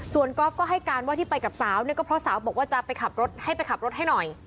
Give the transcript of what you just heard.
ส่วนก๊อฟก็ให้การว่าที่ไปกับสาวเนี่ยก็เพราะสาวบอกว่าจะไปขับรถให้ไปขับรถให้หน่อย